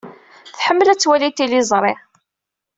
Tḥemmel ad twali tiliẓri.